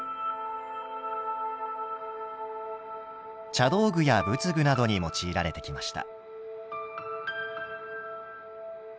茶道具や仏具などに用いられてきました。